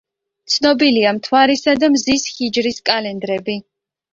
ცნობილია მთვარისა და მზის ჰიჯრის კალენდრები.